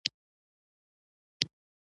وزې د بوټي هره برخه خوري